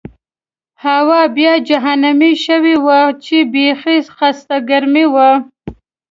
هوا بیا جهنمي شوې وه چې بېخي سخته ګرمي وه.